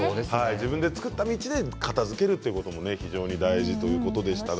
自分で作った道で片づける非常に大事ということでした。